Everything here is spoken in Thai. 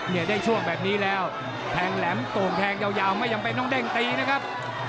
เนี่ยได้ช่วงแบบนี้แล้วแทงแหลมโต่งแทงยาวไม่จำเป็นต้องเด้งตีนะครับ